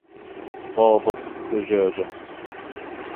بَاضَتْ الدَّجاجَةُ.